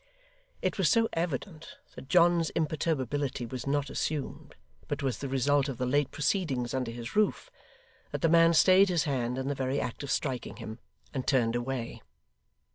It was so evident that John's imperturbability was not assumed, but was the result of the late proceedings under his roof, that the man stayed his hand in the very act of striking him, and turned away.